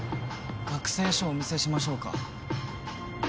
学生証お見せしましょうか。